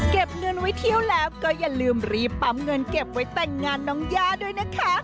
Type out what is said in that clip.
เก็บเงินไว้เที่ยวแล้วก็อย่าลืมรีบปั๊มเงินเก็บไว้แต่งงานน้องย่าด้วยนะคะ